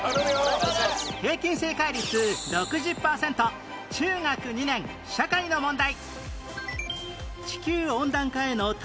平均正解率６０パーセント中学２年社会の問題